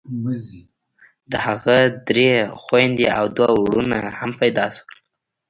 د هغه درې خويندې او دوه ورونه هم پيدا سول.